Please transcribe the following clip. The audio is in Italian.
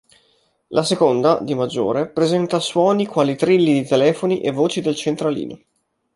La seconda, di maggiore, presenta suoni quali trilli di telefoni e voci del centralino.